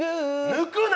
抜くな！